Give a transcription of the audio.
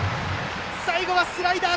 最後はスライダー！